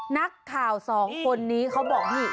นักข่าวสองคนนี้เขาบอกนี่